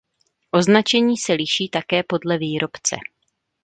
Označení se liší také podle výrobce.